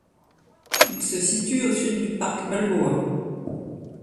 Il se situe au sud du parc Balboa.